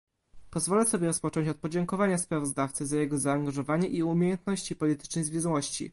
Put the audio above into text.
Pozwolę sobie rozpocząć od podziękowania sprawozdawcy za jego zaangażowanie i umiejętności politycznej zwięzłości